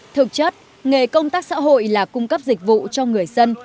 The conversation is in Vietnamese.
thực chất nghề công tác xã hội là cung cấp dịch vụ cho người dân